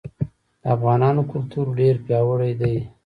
د افغانانو کلتور ډير پیاوړی دی.